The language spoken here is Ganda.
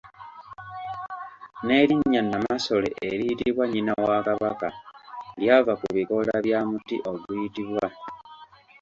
N'erinnya Nnamasole eriyitibwa nnyina wa Kabaka lyava ku bikoola bya muti oguyitibwa.